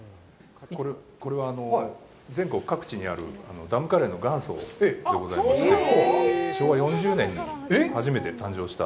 これは、全国各地にあるダムカレーの元祖でございまして、昭和４０年に初めて誕生した。